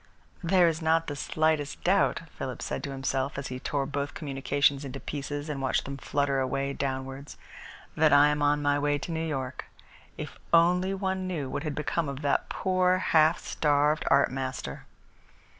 "There is not the slightest doubt," Philip said to himself, as he tore both communications into pieces and watched them flutter away downwards, "that I am on my way to New York. If only one knew what had become of that poor, half starved art master!"